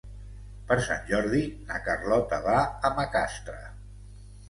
Per Sant Jordi na Carlota va a Macastre.